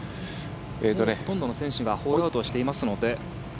ほとんどの選手がホールアウトしていますので。